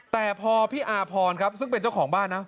แต่พอพี่อาพรครับซึ่งเป็นเจ้าของบ้านนะ